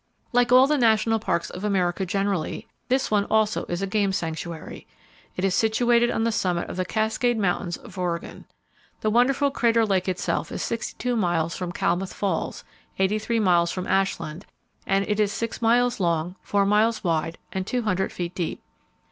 —Like all the National Parks of America generally, this one also is a game sanctuary. It is situated on the summit of the Cascade Mountains of Oregon. The wonderful Crater Lake itself is 62 miles from Klamath Falls, 83 miles from Ashland, and it is 6 miles long, 4 miles wide and 200 feet deep.